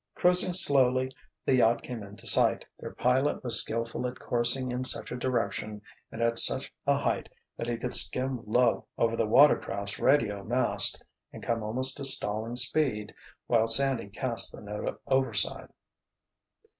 Cruising slowly the yacht came into sight. Their pilot was skillful at coursing in such a direction and at such a height that he could skim low over the water craft's radio mast and come almost to stalling speed while Sandy cast the note overside.